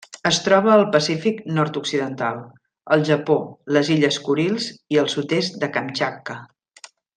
Es troba al Pacífic nord-occidental: el Japó, les illes Kurils i el sud-est de Kamtxatka.